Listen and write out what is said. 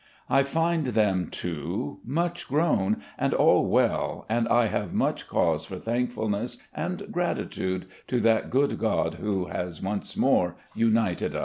I find them, too, much grown, and all well, and I have much cause for thankfulness, and gratitude to that good God who has once more tmited us."